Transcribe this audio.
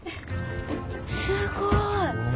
すごい。お。